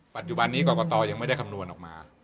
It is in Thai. ปัจจุบันนี้กรกตยังไม่ได้คำนวณออกมา